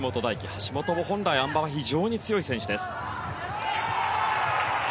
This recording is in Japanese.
橋本も本来、あん馬は非常に強い選手です。